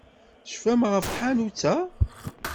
Tecfam ɣef tḥanut-a?